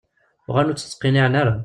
Uɣalen ur tt-ttqiniɛen ara .